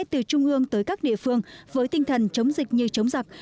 từ trung ương tới các địa phương với tinh thần chống dịch như chống giặc